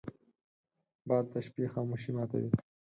باد د شپې خاموشي ماتوي